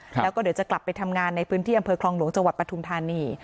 แล้วก็เดี๋ยวจะกลับไปทำงานในพื้นที่อำเภอคลองหลวงจังหวัดปทุมธานี